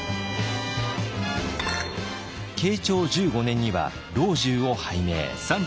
慶長１５年には老中を拝命。